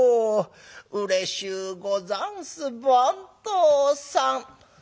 『うれしゅうござんす番頭さん』」。